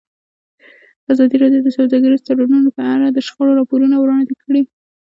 ازادي راډیو د سوداګریز تړونونه په اړه د شخړو راپورونه وړاندې کړي.